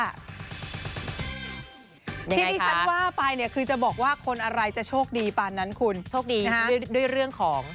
ที่ที่ฉันว่าไปเนี่ยคือจะบอกว่าคนอะไรจะโชคดีปานนั้นคุณโชคดีด้วยเรื่องของ